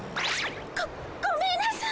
ごごめんなさい！